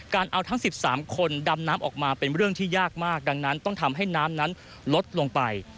เอาทั้ง๑๓คนดำน้ำออกมาเป็นเรื่องที่ยากมากดังนั้นต้องทำให้น้ำนั้นลดลงไป